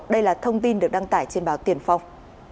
đây là thông tin được đăng tải trên báo tiền phong